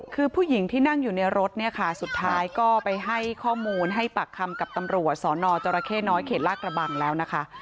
คือผู้หญิงที่นั่งอยู่ในรถเนี่ยค่ะสุดท้ายก็ไปให้ข้อมูลให้ปากคำกับตำรวจสนจรเข้น้อยเขตลาดกระบังแล้วนะคะ